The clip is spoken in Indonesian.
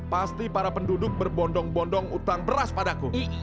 pasti para penduduk berbondong bondong utang beras padaku